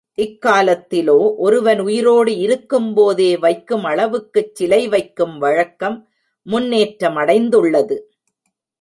இக்காலத்திலோ, ஒருவர் உயிரோடு இருக்கும்போதே வைக்கும் அளவுக்குச் சிலை வைக்கும் வழக்கம் முன்னேற்றம் அடைந்துள்ளது.